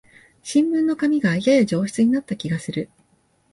新聞の紙がやや上質になった気がする